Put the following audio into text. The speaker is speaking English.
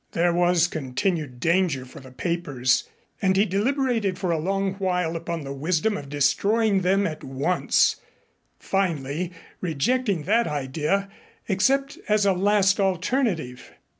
There was continued danger for the papers and he deliberated for a long while upon the wisdom of destroying them at once, finally rejecting that idea except as a last alternative.